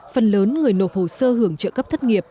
phần lớn người nộp hồ sơ hưởng trợ cấp thất nghiệp